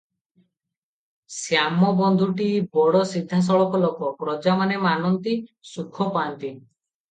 ଶ୍ୟାମବନ୍ଧୁଟି ବଡ଼ ସିଧା ସଳଖ ଲୋକ, ପ୍ରଜାମାନେ ମାନନ୍ତି, ସୁଖ ପା’ନ୍ତି।